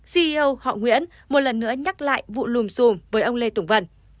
ceo họ nguyễn một lần nữa nhắc lại vụ lùm xùm với ông lê tùng vân